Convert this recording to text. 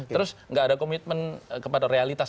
terus nggak ada komitmen kepada realitas